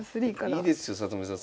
いいですよ里見さん